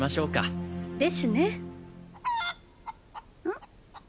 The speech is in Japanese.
うん？